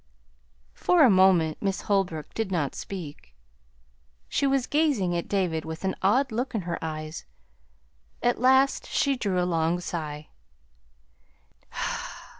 For a moment Miss Holbrook did not speak. She was gazing at David with an odd look in her eyes. At last she drew a long sigh.